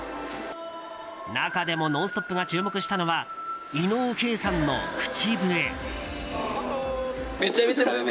中でも「ノンストップ！」が注目したのは伊野尾慧さんの口笛。